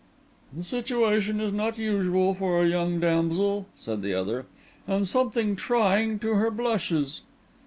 "The situation is not usual for a young damsel," said the other, "and somewhat trying to her blushes."